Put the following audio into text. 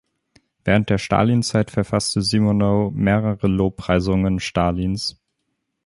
Während der Stalinzeit verfasste Simonow mehrere Lobpreisungen Stalins.